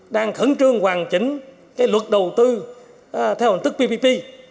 đang khẩn trương hoàn chỉnh cái luật đầu tư theo hành tức ppp